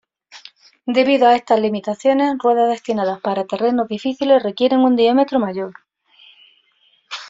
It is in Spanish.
Debido a estas limitaciones, ruedas destinadas para terrenos difíciles requieren un diámetro mayor.